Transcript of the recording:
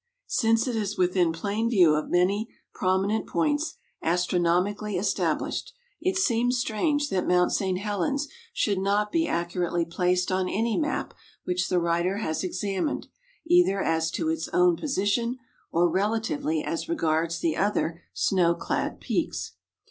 Since it is within plain view of many prominent points astronomically established, it seems strange that Mt. St. Helens should not be accurately placed on any map which the writer has examined, either as to its own position or relatively as re gards the other snow clad peaks.